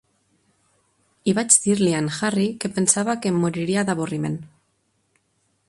I vaig dir-li a en Harry que pensava que em moriria d'avorriment.